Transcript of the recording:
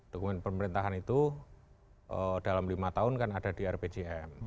dokumen pemerintahan itu dalam lima tahun kan ada di rpjm